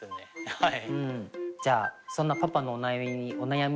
はい。